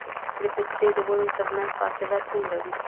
د پستې د ونو ترمنځ فاصله څومره وي؟